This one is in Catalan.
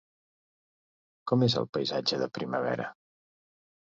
Com és el paisatge de primavera?